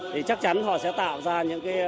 thì chắc chắn họ sẽ tạo ra những cái